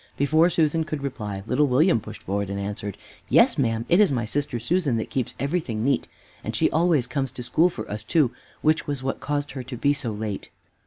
Before Susan could reply, little William pushed forward and answered, "Yes, ma'am, it is my sister Susan that keeps everything neat; and she always comes to school for us too, which was what caused her to be so late."